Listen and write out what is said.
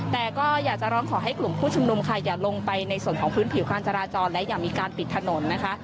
แต่ก็อยากจะร้องขอให้กลุ่มผู้ชุมนุมค่ะอย่าลงไปในส่วนของพื้นผิวการจราจรและอย่ามีการปิดถนนนะคะ